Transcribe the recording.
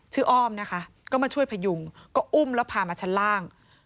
อ้อมนะคะก็มาช่วยพยุงก็อุ้มแล้วพามาชั้นล่าง